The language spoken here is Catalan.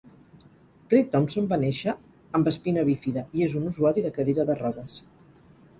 Grey-Thompson va néixer amb Espina Bífida i és un usuari de cadira de rodes.